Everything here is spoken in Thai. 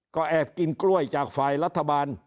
ก็แอบกินกล้วยจากฝ่ายรัฐบาล